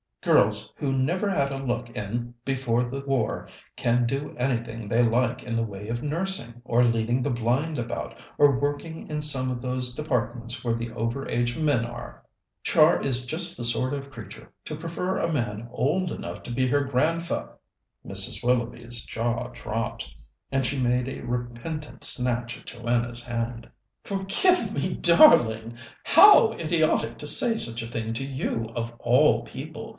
Girls who never had a look in before the war can do anything they like in the way of nursing, or leading the blind about, or working in some of those departments where the over age men are. Char is just the sort of creature to prefer a man old enough to be her grandfa " Mrs. Willoughby's jaw dropped, and she made a repentant snatch at Joanna's hand. "Forgive me, darling! How idiotic to say such a thing to you, of all people!